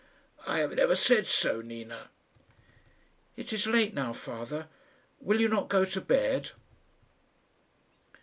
"I have never said so, Nina." "It is late now, father. Will you not go to bed?"